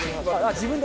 自分で？